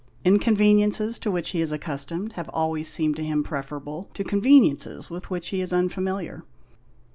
Inconveniences to which he is accustomed have always seemed to him preferable to conveniences with which he is unfamiliar.